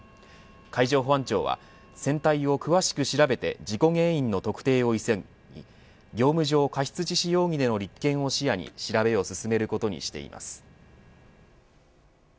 海上保安庁は船体を詳しく調べて事故原因の特定を急ぎ業務上過失致死容疑での立件を視野に調べを進めることにしています。